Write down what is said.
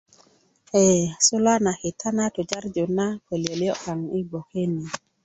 Ee suluwa na kita na tujarju na pölyölyö kaaŋ i gboke ni